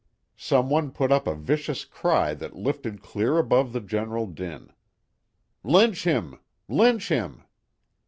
Some one put up a vicious cry that lifted clear above the general din. "Lynch him! Lynch him!"